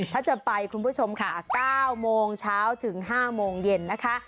ถ้าจะไปคุณผู้ชมค่ะ๙โมงเช้าถึง๕โมงเย็นนะคะ